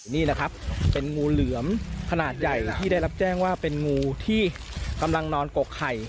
นี่แหละครับเป็นงูเหลือมขนาดใหญ่ที่ได้รับแจ้งว่าเป็นงูที่กำลังนอนกกไข่